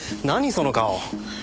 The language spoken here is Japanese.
その顔。